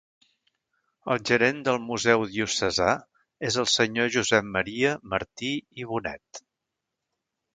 El gerent del Museu Diocesà és el senyor Josep Maria Martí i Bonet.